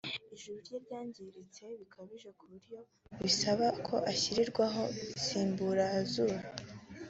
ijuru rye ryangiritse bikabije ku buryo bisaba ko ashyirirwaho insimburazuru